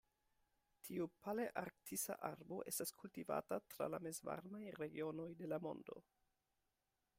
Tiu palearktisa arbo estas kultivata tra la mezvarmaj regionoj de la mondo.